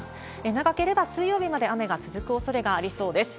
長ければ水曜日まで雨が続くおそれがありそうです。